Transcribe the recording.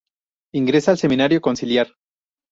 Ingresa al Seminario Conciliar.